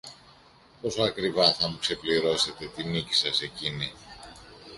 Πόσο ακριβά θα μου ξεπληρώσετε τη νίκη σας εκείνη!